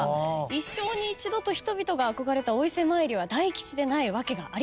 一生に一度と人々が憧れたお伊勢参りは大吉でないわけがありません。